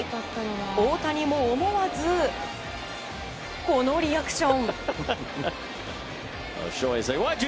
大谷も思わず、このリアクション。